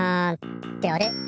ってあれ？